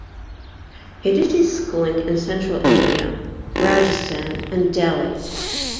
He did his schooling in Central India, Rajasthan and Delhi.